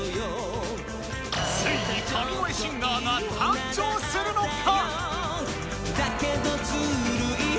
ついに神声シンガーが誕生するのか⁉